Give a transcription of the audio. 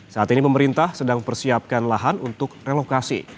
saat ini pemerintah sedang persiapkan lahan untuk relokasi